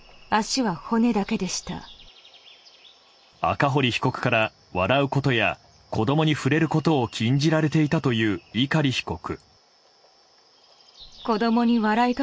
赤堀被告から笑うことや子供に触れることを禁じられていたという碇被告。